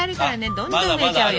どんどん増えちゃうよ。